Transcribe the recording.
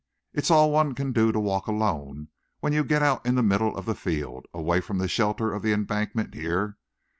"It's all one can do to walk alone when you get out in the middle of the field, away from the shelter of the embankment here.